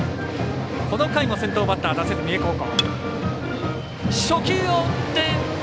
この回も先頭バッター出せず三重高校。